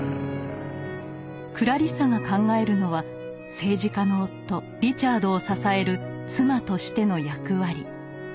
クラリッサが考えるのは政治家の夫リチャードを支える妻としての役割。